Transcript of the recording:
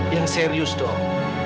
yang serius dong